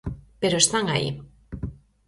Pero están aí.